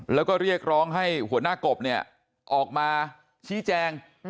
แล้วก็เรียกร้องให้หัวหน้ากบเนี่ยออกมาชี้แจง